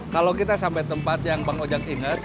kalau kita sampai tempat yang bang kojak inget